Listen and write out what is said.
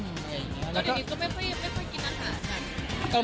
ตอนนี้ก็ไม่พลาดกินอาหาร